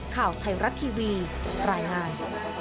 ข่าวไทยรัฐทีวีรายงาน